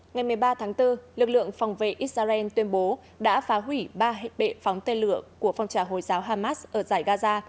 ngày một mươi ba tháng bốn lực lượng phòng vệ israel tuyên bố đã phá hủy ba hệ bệ phóng tên lửa của phong trào hồi giáo hamas ở giải gaza